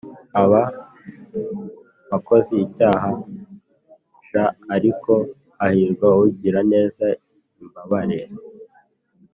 Aba akoze icyaha j ariko hahirwa ugirira neza imbabare